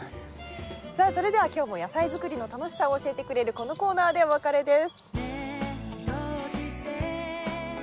さあそれでは今日も野菜作りの楽しさを教えてくれるこのコーナーでお別れです。